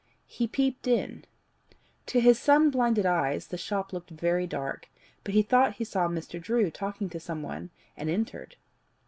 He peeped in. To his sun blinded eyes the shop looked very dark, but he thought he saw Mr. Drew talking to some one, and entered.